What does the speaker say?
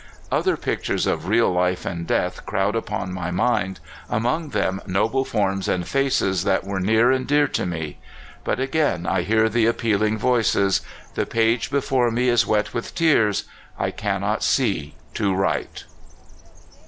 Other pictures of real life and death crowd upon my mind, among them noble forms and faces that were near and dear to me ; but again I hear the appealing voices. The page before me is wet with tears — I cannot see to write.